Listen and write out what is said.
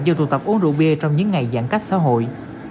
do tụ tập uống rượu bia trong những ngày giãn cách xã hội